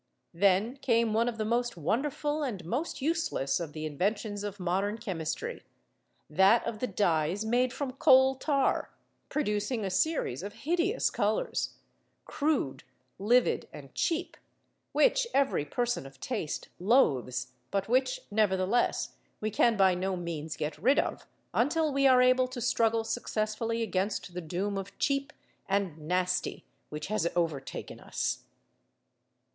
Then came one of the most wonderful and most useless of the inventions of modern Chemistry, that of the dyes made from coal tar, producing a series of hideous colours, crude, livid and cheap, which every person of taste loathes, but which nevertheless we can by no means get rid of until we are able to struggle successfully against the doom of cheap and nasty which has overtaken us.